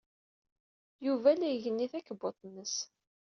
Yuba la igenni takebbuḍt-nnes.